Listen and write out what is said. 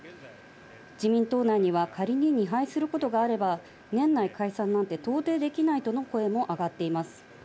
自民党内には、仮に２敗することがあれば、年内解散なんて到底できないとの声も上がっています。